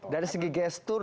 dari segi gestur